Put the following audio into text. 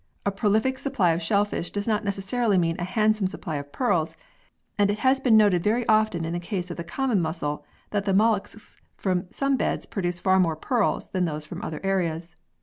A prolific supply of shellfish does not necessarily mean a handsome supply of pearls, and it has been noted very often in the case of the common mussel that the molluscs from some beds produce far more pearls than those from other areas.